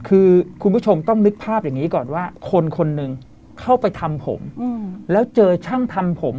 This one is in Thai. คือคุณผู้ชมต้องนึกภาพอย่างนี้ก่อนว่าคนคนหนึ่งเข้าไปทำผมแล้วเจอช่างทำผม